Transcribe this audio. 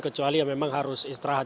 kecuali memang harus istirahat